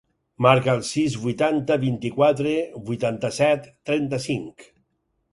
Marca el sis, vuitanta, vint-i-quatre, vuitanta-set, trenta-cinc.